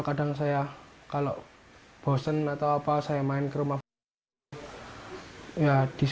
kadang saya kalau bosen atau apa saya main ke rumah